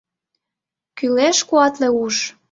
Кӱлеш куатле уш.